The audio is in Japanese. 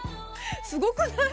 すごくない？